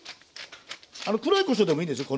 黒いこしょうでもいいですよ